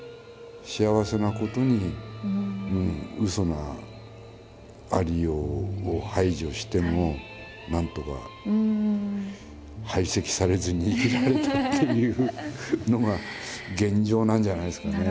幸せなことにうそなありようを排除してもなんとか排斥されずに生きられたっていうのが現状なんじゃないですかね。